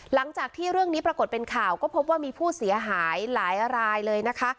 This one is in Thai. หลังจากที่เรื่องนี้ปรากฏเป็นข่าวก็พบว่ามีผู้เสียหายหลายรายเลยนะคะ